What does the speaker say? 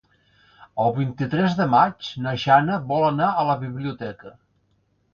El vint-i-tres de maig na Jana vol anar a la biblioteca.